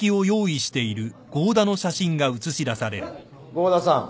合田さん。